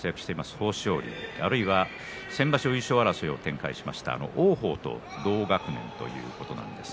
豊昇龍あるいは先場所、優勝争いを展開しました王鵬と同学年です。